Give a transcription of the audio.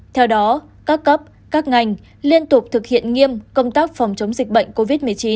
theo đó các cấp các ngành liên tục thực hiện nghiêm công tác phòng chống dịch bệnh covid một mươi chín